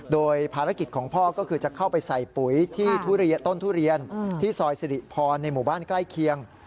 โดยภารกิจของพ่อก็คือจะเข้าไปใส่ปุ๋ยที่ทุเรียนต้นทุเรียนที่ซอยสิริพรในหมู่บ้านใกล้เคียง